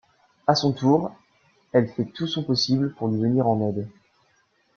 À son tour, elle fait tout son possible pour lui venir en aide.